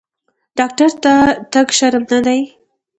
ډاکټر ته تګ شرم نه دی۔